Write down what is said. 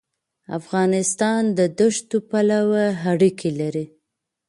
افغانستان د دښتو پلوه اړیکې لري.